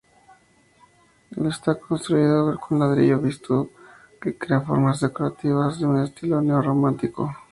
Está construido con ladrillo visto que crea formas decorativas de estilo neorrománico.